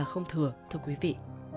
không thừa thưa quý vị